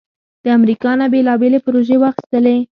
د امریکا نه بیلابیلې پروژې واخستلې